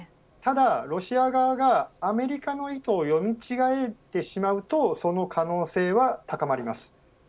ただロシア側がアメリカの意図を読み違えてしまうとその可能性は高まります。